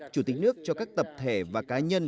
chủ tịch nước cho các tập thể và cá nhân